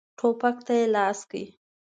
ټوپک ته یې لاس کړ.